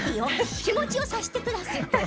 気持ちを察してください。